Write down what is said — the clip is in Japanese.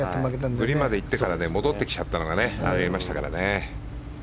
グリーンまでいって戻ってきちゃったのがありましたからね。